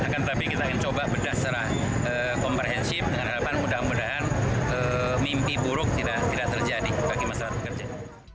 akan terlebih kita akan coba berdasar komprehensif dengan harapan mudah mudahan mimpi buruk tidak terjadi bagi masyarakat kerja